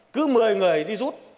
cứ một mươi người đi rút